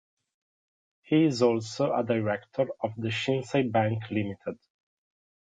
He is also a director of The Shinsei Bank Limited.